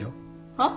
はっ？